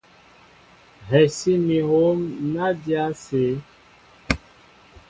Hɛsí mi hǒm ná dya ásé.